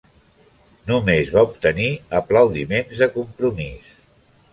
Només va obtenir aplaudiments de compromís.